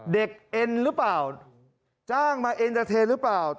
เอ็นหรือเปล่าจ้างมาเอ็นเตอร์เทนหรือเปล่า